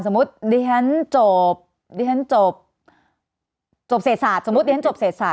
สมมุติเรียนจบเรียนจบจบเศรษฐสมมุติเรียนจบเศรษฐ